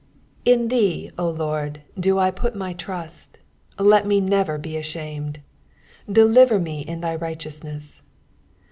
IN thee, O Lord, do I put my trust ; let me never be ashamed : deliver me in thy righteousness.